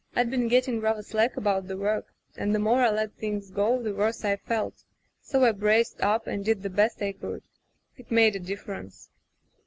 Fd been getting rather slack about the work, and the more I let things go the worse I felt, so I braced up and did the best I could. It made a difference.